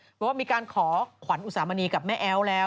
เพราะว่ามีการขอขวัญอุสามณีกับแม่แอ๊วแล้ว